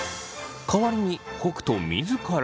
代わりに北斗自ら。